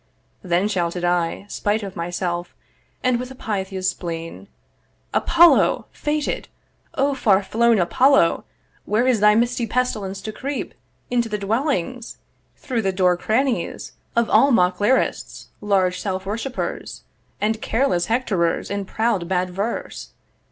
Then shouted I Spite of myself, and with a Pythia's spleen, 'Apollo! faded! O far flown Apollo! 'Where is thy misty pestilence to creep 'Into the dwellings, through the door crannies 'Of all mock lyrists, large self worshipers, 'And careless Hectorers in proud bad verse.